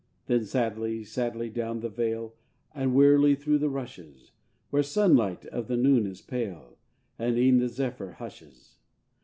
Then sadly, sadly down the vale, And wearily through the rushes, Where sunlight of the noon is pale, And e'en the zephyr hushes.